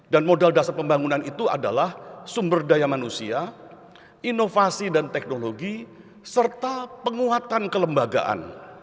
dan modal dasar pembangunan itu adalah sumber daya manusia inovasi dan teknologi serta penguatan kelembagaan